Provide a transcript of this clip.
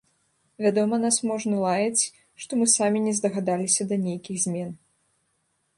Вядома, нас можна лаяць, што мы самі не здагадаліся да нейкіх змен.